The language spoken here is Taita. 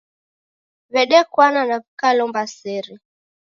W'edekwana na w'ikalomba sere.